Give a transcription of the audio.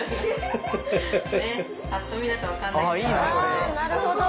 あなるほど。